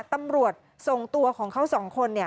ตำรวจส่งตัวของเขา๒คน